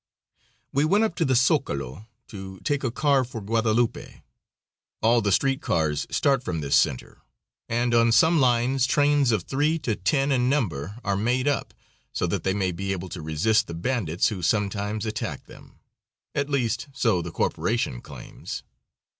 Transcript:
We went up to the Zocalo to take a car for Guadalupe. All the street cars start from this center, and on some lines trains of three to ten in number are made up, so that they may be able to resist the bandits who sometimes attack them at least, so the corporation claims.